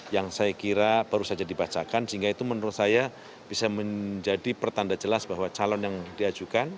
yang saya kira baru saja dibacakan sehingga itu menurut saya bisa menjadi pertanda jelas bahwa calon yang diajukan